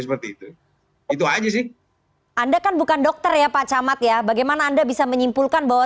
seperti itu itu aja sih anda kan bukan dokter ya pak camat ya bagaimana anda bisa menyimpulkan bahwa